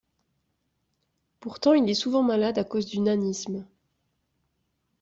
Pourtant il est souvent malade à cause du nanisme.